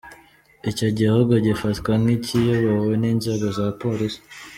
Icyo gihugu gifatwa nk’ikiyobowe n’inzego za polisi.